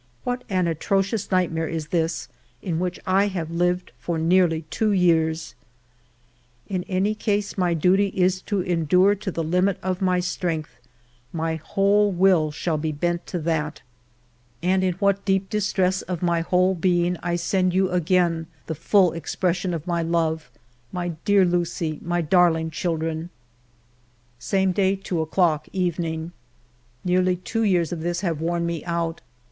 What an atrocious ALFRED DREYFUS 213 nightmare is this in which I have lived for nearly two years ! In any case, my duty is to endure to the limit of my strength ; my whole will shall be bent to that. And in what deep distress of my whole being I send you again the full expression of my love, my dear Lucie, my darling children ! Same day, 2 o'clock, evening. Nearly two years of this have worn me out.